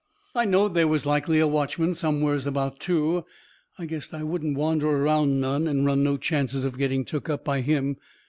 I knowed they was likely a watchman somewheres about, too. I guessed I wouldn't wander around none and run no chances of getting took up by him.